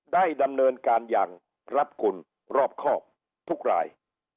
ได้ดำเนินการอย่างรัฐกุลรอบครอบทุกราย